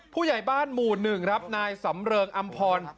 ผู้ใหญ่บ้านหมู่๑ครับนายสำเริงอำพร